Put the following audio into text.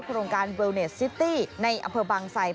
โครงการเวลเนสซิตี้ในอำเภอบางไซ